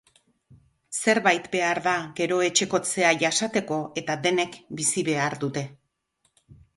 Zerbait behar da gero etxekotzea jasateko eta denek bizi behar dute.